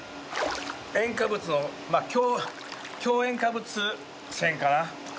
塩化物のまあ強塩化物泉かな。